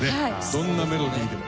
どんなメロディーでも。